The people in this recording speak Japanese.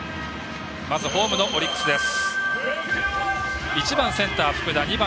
ホームのオリックスです。